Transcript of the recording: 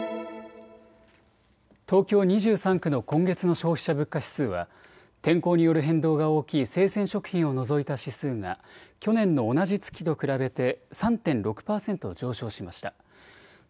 東京２３区の今月の消費者物価指数は天候による変動が大きい生鮮食品を除いた指数が去年の同じ月と比べて３．６％上昇しました。